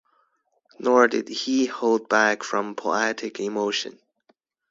Nor did he hold back from poetic emotion.